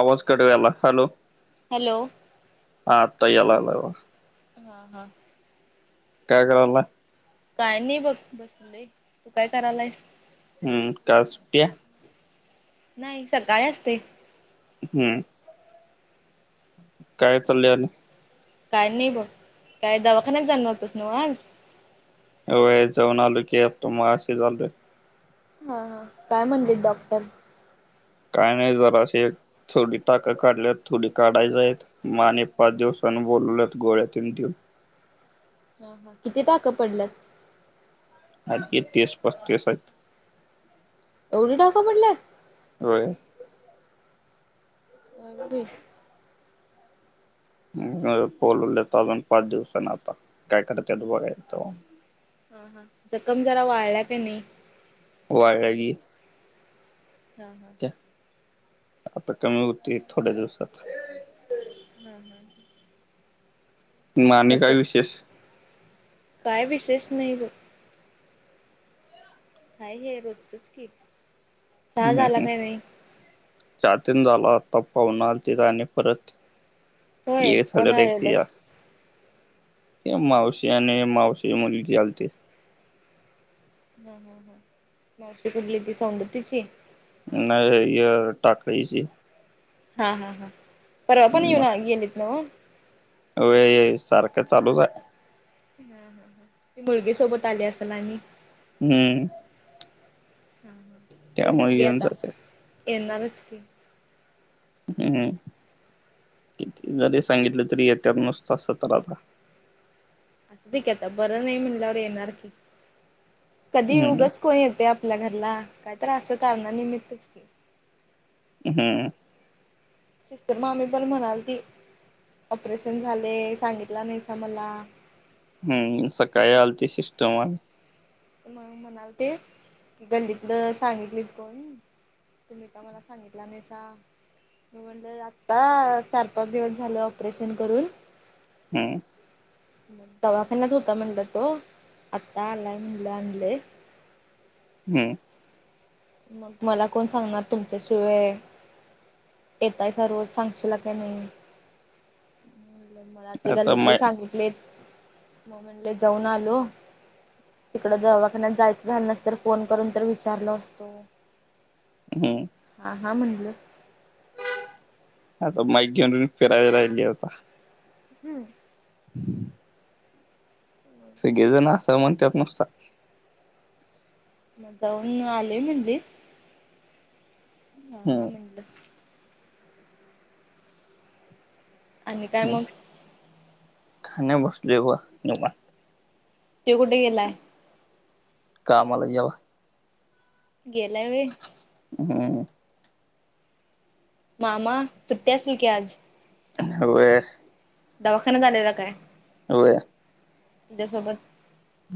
आवाज कट झाला hello. Hello. हा आता यालाला. हा हा. कायगरला. काय नाही बघ बस तू काय करायला आहेस.. हम्म का सु्टया. नाही सकाळी असते.. हम्म. काय चालल्याल?. काय नाही बघ काय दवाखान्यात जाणार होतास न्हव आज. होय जावून आलो की आता मगाशीच आलोय.. हा हा काय म्हणलेत डॉक्टर?. काय नाही जरा असशी थोडी टाकं काढल्यात थोडी काढायच आहेत.. म आणि पाच दिवसाांनी बोलवलेत गोळ्या तीन दिव हा हा किती टाक पडल्यात? [unintelligible] एवढी टाक पडल्यात होय. अगं बाई बोलवलेत अजून पाच दिवसान आता काय करत्यात बघायच तव्हा हा हा जखम जरा वाळला की नाही वाळलीया की हा हा. त्या, आता कमी होती थोड्या दिवसात हा हा मग आणि कस काय विशेष काय विशेष नाही बग हाय हे रोजचंच की चहा हम्म झाला ह काय नाही चहा तेन झाला आता पाहुन आलतीत आणि परत होय कोण आलेलं [unintelligible] ते मावशी आणि मावशीची मुलगी आलती. हा हा हा मावशी कुठली ती सांगतीची नाय ग य [unintelligible] टाक हीची हा हा हा परवा पण येऊन गेलीत न्हव. अ वैय सारखं चालूच हाय. हा हा ह ती मुलगी सोबत आली आसल आणि हम्म. हा हा येवू त्यामुळे देत घे येऊन आता जाते येणारच की हम्म किती जरी सांगितलं तरी येत्यात नुसत सतरा जण [unintelligible] भी केत्या बरं नाही म्हणल्यावर, येणार की कधी येऊग हम्म कोनी येतय आप आपल्या घरला काय तर असं कारणा निमित्तच की हम्म. सिस्टर मामी पण म्हणाल ती ऑपरेशन, झालय सांगितला नाही सा मला. हम्म सकाळी आलती सिस्टम वाल मंग म्हणालते की गल्लीतलं सांगितलीत कोण तुम्ही का मला सांगितलं. म्हंटला नाही सा मी म्हणल आता चार, पाच दिवस झाल ऑपरेशन करून. हम्म. दवाखान्यात होता म्हणलं तो. आता आलाय म्हणलं आणलय. हम्म. मग मला कोण सांगणार तुमच्या शिवाय. येताय सा रोज सांगशिला काय नाही? [unintelligible] मी म्हणलं मला ते आता गल्लीतले माय सांगितले मग म्हणले जाऊन आलो. तिकडं दवाखान्यात जायचं झालं नसत, तर फोन करून तर विचारलो असतो. हम्म. हा हा म्हनलं. आता माईक घेऊन मी फिरायला राहिली आता. हम्म. [inaudible] सगळेजण असं म्हणतात नुसता जाऊन आलेय म्हणलेत हा हा हम्म म्हंटलं. आणि ह काय मग [unintelligible] खणे सलेय बुआ एक गवा ते कुठे गेलाय? कामला गेला. गेलाय वय. हम्म. मामा सुट्टी असील की आज? वए ना [unintelligible] दवाखाना झालेला काय? अव्या. तुझ्या सोबत?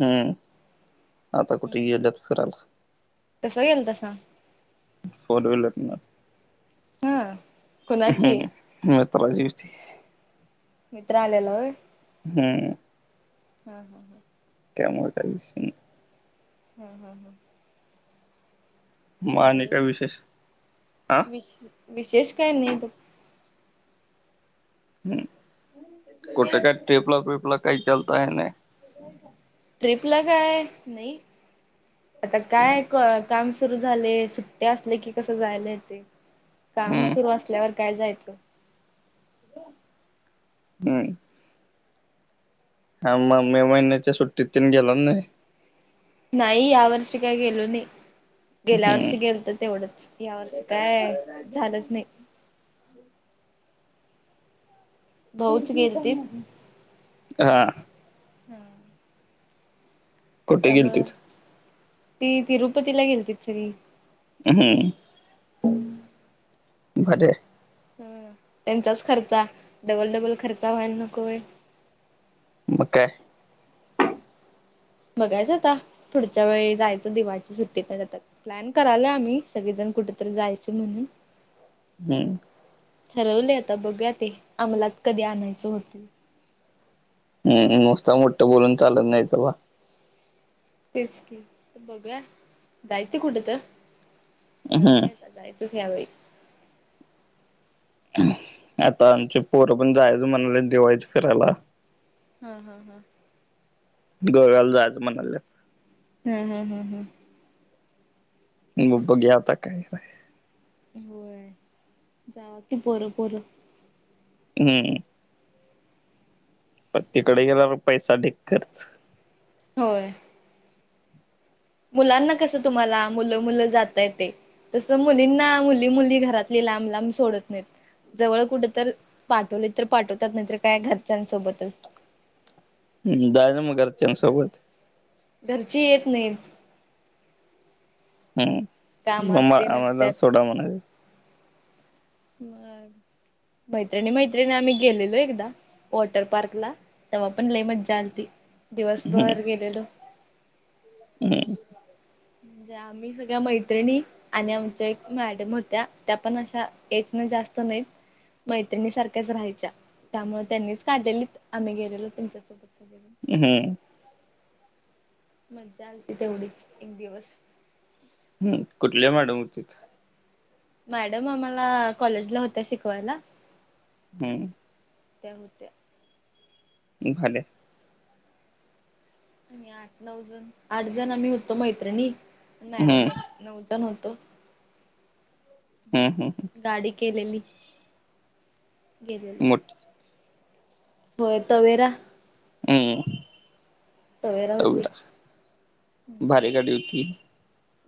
हम्म आता कुठे गेल्यात फिराला. तसं येईल तसा. फोर वीलर ना, हाम्म. हम्म यात्रा येती. मित्र आलेला व्य. हम्म. हा ल हा. त्यामुळे त्या [unintelligible] ताश ल हा हा. म भारी आनिकाय विशेष आं? विश विशेष काय नाही बघ. हम् कुठे काय टेपला पेपला काही लत आहे नाही ट्रिपला काय नाही आता काय काम सुरु झाले सुट्टे असले की कसं जायला ते काम हम्म सुरू असल्यावर काय जायचं हम् हा मग मे महिन्याच्या सुट्टीत गेल नाही नाही या वर्षी काय गेलो नाही गेल्या हम्म वर्षी गेल तर तेवढंच या वर्षी काय झालंच नाही भाऊच गेलतीत हा हम्म कुठे त्यामु गेलतीत ती तिरुपतीला गेलती सरी हम बर ह त्यांचाच खर्चा डबल डबल खर्चा व्हायला नकोय मे बघायचं आता थोडच्या वेळी जायचं दिवाची सुट्टीत नाही जातात प्लॅन कराला आम्ही सगळेजण कुठेतरी जायचे म्हणून हम्म ठरवले आता बघूया ते आम्हालाच कधी आणायचं होते हम् नसता मोठं बोलून चालत नाही ते बा तेच की बघया दय ते कुठं तर हम्म ठरवलं ई तुझ्याही आता आमचे पोरं पण जायचं म्हणाले दिवाळीत फिरायला हा हा हा गर जायजं म्हणालं हा हा हा हा हगबग यावत कायरय होय जा की पोरं पोरं हम्म पण तिकडे गेल्यावर पैसा ढिकच होय मुलांना कसं तुम्हाला मुलं मुलं जातय ते तसं मुलीना मुली मुली घरातली लांब लांब सोडत नाहीत जवळ कुठ तर पाठवले तर पाठवतात नाहीतर काय घरच्यांसोबतच ह् जायचं मग घरच्यांसोबत घरची येत नाहीत हम् कामात मग ते आम्हाला नसत्यात सोडा म्हणायचं मग मैत्रिणी मैत्रिणी आम्ही गेलेलो एकदा वॉटर पार्क ला तेव्हा पण लई मजा आलती हम्म दिवसभर गेलेलो हम्म म्हणजे आम्ही सगळ्या मैत्रिणी आणि आमच्या एक मॅडम होत्या त्या पण अशा एज ने जास्त नाहीत मैत्रिणी सारख्याच राहायच्या त्यामुळे त्यांनीच काढलेलीत आम्ही गेलेलो त्यांच्यासोबत सगळे हम्म मज्जा आलती तेवढीच एक दिवस हम कुठल्या मॅडम होती मॅडम आम्हाला कॉलेजला होत्या शिकवायला हम्म त्या होत्या झााले [unintelligible] आणि आठ नऊजण आठ जण आम्ही होतो मैत्रिणी हम्म मॅडम एक नवजण होतो हम्म हम्म गाडी केलेली गेलेेले मोठी होय तवेरा ह्मम तवेरा भारी गाडी होती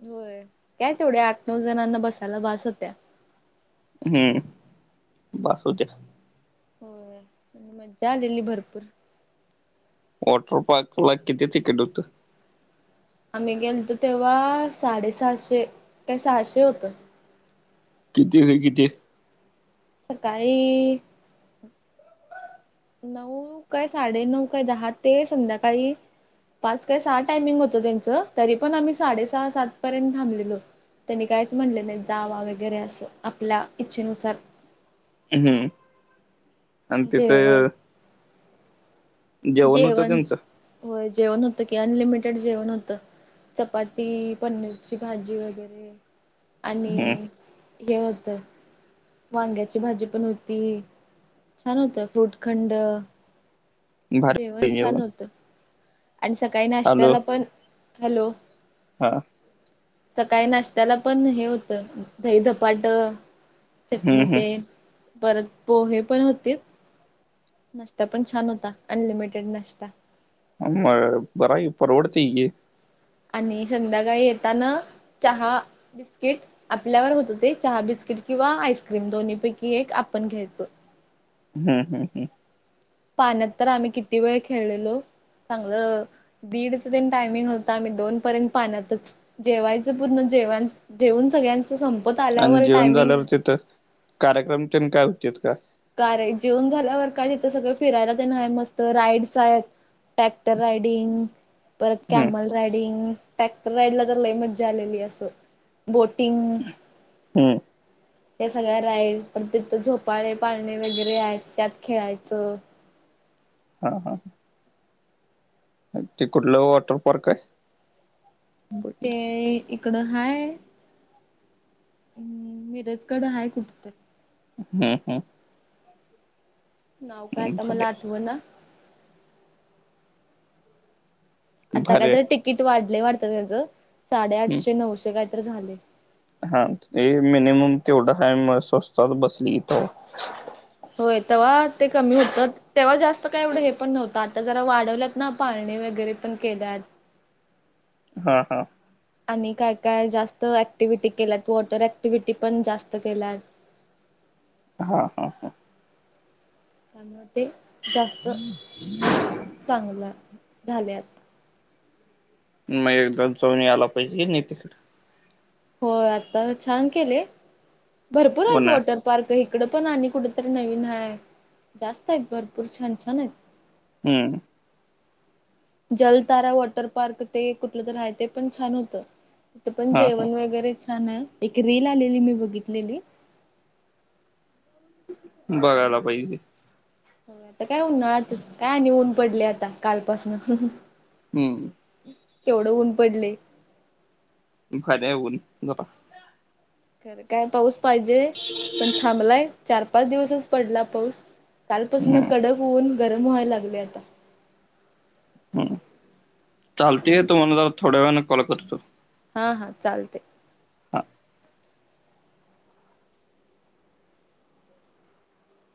होय काय तेवढ्या आठ नऊ जणांना बसायला बास होत्या हम्म बास होत्या होय आणि मज्जा आलेली भरपूर वॉटर पार्क ला किती तिकीट होतं आम्ही गेलतो तेव्हा साडेसहाशे काय सहाशे होतं किती ते किती सकाळी नऊ काय साडे नऊ काय दहा ते संध्याकाळी पाच काय सहा टायमिंग होतं त्यांचं तरी पण आम्ही साडे सहा सात पर्यंत थांबलेलो त्यांनी काहीच म्हटले नाही जावा वगैरे असं आपल्या इच्छेनुसार हम्म आणि जेवण तिथं होतं जेवण त्यांचं होय जेवण होतं की अनलिमिटेड जेवण होतं चपाती पनीरची भाजी वगैरे आणि हम्म हे होतं वांग्याची भाजी पण होती छान होत फ्रूटखंड जेवण छान होत आणि सकाळी हॅलो नाश्त्याला पण हॅलो हा सकाळी नाश्त्याला पण हे होतं दहीधपाट हम्म चटणी ते परत पोहे पण होतीत नाश्ता पण छान होता अनलिमिटेड नाश्ता बर बर आहे आहे की परवडते की आणि संध्याकाळी येताना चहा बिस्किट आपल्यावर होतं ते चहा बिस्किट किंवा आईस्क्रीम दोन्ही पैकी एक आपण घ्यायचं हम्म हम्म हम्म पाण्यात तर आम्ही किती वेळ खेळलेलो चांगलं दीडच तन टायमिंग होता आम्ही दोन पर्यंत पाहण्यातच जेवायचं पूर्ण जेव जेवन सगळ्यांच संपत आणि आल्यावर जेवण टायमिंग झाल्यावर तिथं कार्यक्रम ते काय होते का कार आहे जेवन झाल्यावर काय तिथं सगळं फिरायला ते ना मस्त राईड्स आहेत ट्रॅक्टर रायडिंग परत हम्म कॅमल रायडिंग ट्रॅक्टर राइडला तर लई मज्जा आलेली असं बोटिंग हम्म हे सगळ्या राईड प्य तर झोपाळे पाळणे वगैरे आहेत त्यात खेळायचं हा हा ते कुठलं वॉटर पार्क आहे ते इकडं हाय हम्म मिरजकड आहे कुठ तर हम्म हम्म नाव काय हम्म आता भारी मला आहे आठव ना आता काय भारी तर आहे तिकीट वाढले वाटतं त्याचं साडेआठशे हम्म नऊशे काय तर झाले हा ते मिनिमम तेवढा कााय स्वस्तात बसलीथ होय ते वा ते कमी होतात तेव्हा जास्त काय एवढं हे पण नव्हतं आता जरा वाढवल्यात ना पाणी वगैरे पण केल्यात हा हा आणि काय काय जास्त ऍक्टिव्हटी केल्यात वॉटर ऍक्टिव्हटी पण जास्त केलात हा हा हा मग ते जास्त चांगलं झाले मग एकदम चवनी आला पाहिजे नाही तिकडे होय आता छान केले भरपूर आहेत उन्हाळ्यात वॉटर पार्क इकडं पण आणि कुठेतरी नवीन आहे जास्त आहेत भरपूर छान छान आहेत हम्म जलतारा वॉटर पार्क ते कुठलं तर आहेय ते पण छान होतं तिथ पण हा हा जेवण वगैरे छान आहे एक रेल आलेली मी बघितलेली बघायला त्यामुळे पाहिजे हो आता काय होऊन आता काय ऊन पडले आता कालपासन हम्म तेवढं ऊन पडले फाऊन ग खरं काय पाऊस पाहिजे पण थांबलाय चार पाच दिवसच पडला पाऊस कालपासून हम्म कडक होऊन गरम व्हायला लागले आता ह चालतय तुम्हाला ज थोड्या वेळाने कॉल करतो हा हा चालते हा